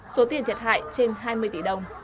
số tiền thiệt hại trên hai mươi tỷ đồng